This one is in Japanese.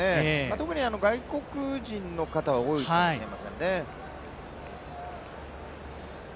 特に外国人の方は多いかもしれませんね。